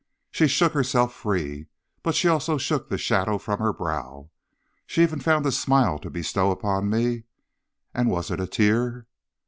She shook herself free, but she also shook the shadow from her brow. She even found a smile to bestow upon me; and was it a tear?